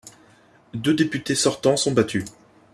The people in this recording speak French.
Deux députés sortants sont battus.